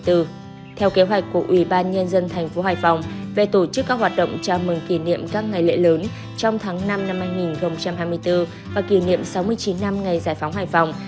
theo kế hoạch của ủy ban nhân dân thành phố hải phòng về tổ chức các hoạt động chào mừng kỷ niệm các ngày lễ lớn trong tháng năm năm hai nghìn hai mươi bốn và kỷ niệm sáu mươi chín năm ngày giải phóng hải phòng